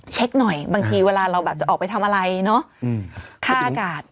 เช็คหน่อยบางทีเวลาเราแบบจะออกไปทำอะไรเนาะค่าอากาศ